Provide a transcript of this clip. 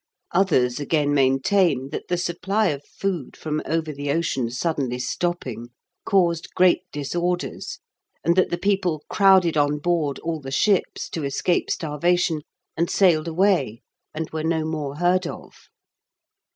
Others again maintain that the supply of food from over the ocean suddenly stopping caused great disorders, and that the people crowded on board all the ships to escape starvation, and sailed away, and were no more heard of.